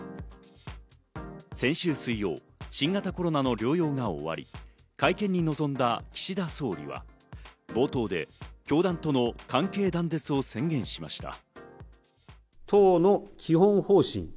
先週水曜、新型コロナの療養が終わり、会見に臨んだ岸田総理は冒頭で教団との関係断絶を宣言しました。